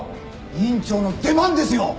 院長の出番ですよ！